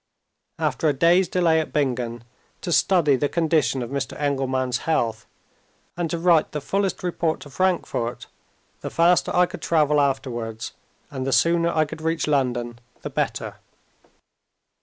After a day's delay at Bingen, to study the condition of Mr. Engelman's health and to write the fullest report to Frankfort, the faster I could travel afterwards, and the sooner I could reach London, the better.